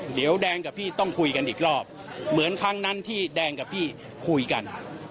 เดี๋ยวแดงกับพี่ต้องคุยกันอีกรอบเหมือนครั้งนั้นที่แดงกับพี่คุยกัน